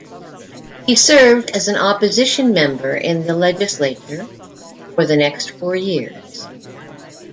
He served as an opposition member in the legislature for the next four years.